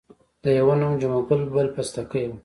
د یوه نوم جمعه ګل بل پستکی وو.